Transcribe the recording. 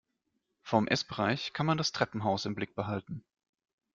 Vom Essbereich kann man das Treppenhaus im Blick behalten.